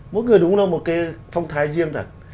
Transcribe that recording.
mỗi người đúng là một cái phong thái riêng thật